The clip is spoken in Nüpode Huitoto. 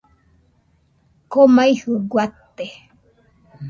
Komaijɨ guate